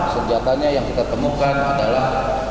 senjatanya yang kita temukan adalah